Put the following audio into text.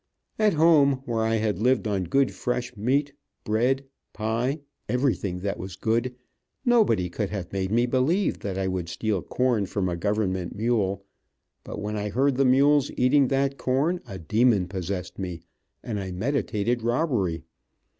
At home, where I had lived on good fresh meat, bread, pie, everything that was good, nobody could have made me believe that I would steal corn from a government mule, but when I heard the mules eating that corn a demon possessed me, and I meditated robbery.